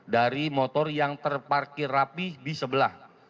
dari motor yang terparkir rapih di sebelah